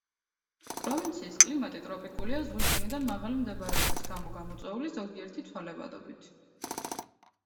პროვინციის კლიმატი ტროპიკულია, ზღვის დონიდან მაღალი მდებარეობის გამო გამოწვეული ზოგიერთი ცვალებადობით.